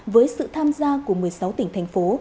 với sự tham gia của một mươi sáu tỉnh thành phố